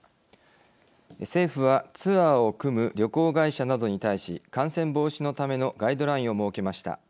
政府はツアーを組む旅行会社などに対し感染防止のためのガイドラインを設けました。